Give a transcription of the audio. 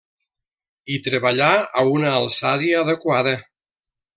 I treballar a una alçària adequada.